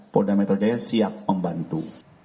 polda metro jaya siap membantu